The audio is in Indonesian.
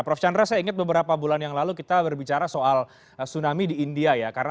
prof chandra saya ingat beberapa bulan yang lalu kita berbicara soal tsunami di india ya